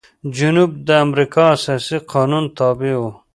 جنوب د امریکا اساسي قانون تابع و.